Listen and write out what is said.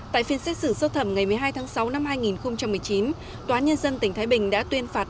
tại phiên xét xử sơ thẩm ngày một mươi hai tháng sáu năm hai nghìn một mươi chín tòa nhân dân tỉnh thái bình đã tuyên phạt